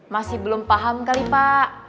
masih belum paham kali pak